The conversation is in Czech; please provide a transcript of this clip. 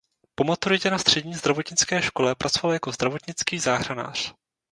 Po maturitě na střední zdravotnické škole pracoval jako zdravotnický záchranář.